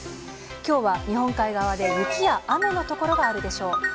きょうは日本海側で雪や雨の所があるでしょう。